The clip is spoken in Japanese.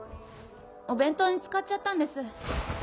お弁当に使っちゃったんです。